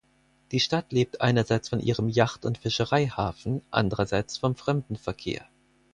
Die Stadt lebt einerseits von ihrem Yacht- und Fischereihafen, andererseits vom Fremdenverkehr.